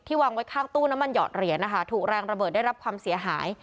วางไว้ข้างตู้น้ำมันหอดเหรียญนะคะถูกแรงระเบิดได้รับความเสียหาย